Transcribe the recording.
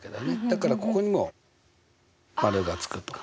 だからここにも丸がつくと。